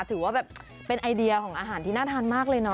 ถือว่าแบบเป็นไอเดียของอาหารที่น่าทานมากเลยเนาะ